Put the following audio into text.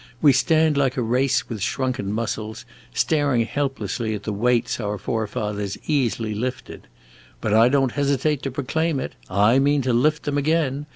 We stand like a race with shrunken muscles, staring helplessly at the weights our forefathers easily lifted. But I don't hesitate to proclaim it I mean to lift them again!